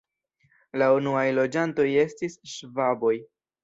La unuaj loĝantoj estis ŝvaboj.